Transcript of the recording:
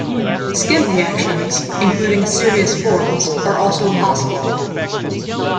Skin reactions, including serious forms, are also possible.